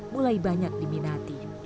mulai banyak diminati